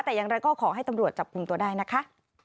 แต่อย่างไรก็ขอให้ตำรวจจับกลุ่มตัวได้นะคะ